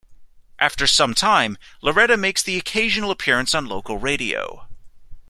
After some time, Loretta makes the occasional appearance on local radio.